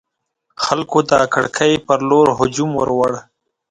خلکو د کړکۍ پر لور هجوم وروړ.